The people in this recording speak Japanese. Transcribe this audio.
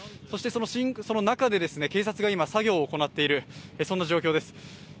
その中で警察が今作業を行っている状況です。